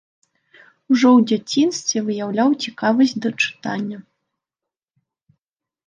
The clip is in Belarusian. Ужо ў дзяцінстве выяўляў цікавасць да чытання.